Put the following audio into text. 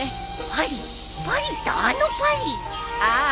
ああ。